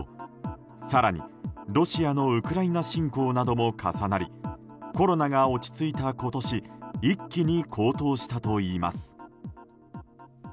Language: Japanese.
更にロシアのウクライナ侵攻なども重なりコロナが落ち着いた今年一気に高騰したといいます。